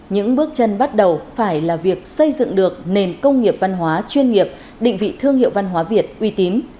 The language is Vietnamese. những bước chân bắt đầu phải là việc xây dựng được nền công nghiệp văn hóa chuyên nghiệp định vị thương hiệu văn hóa việt uy tín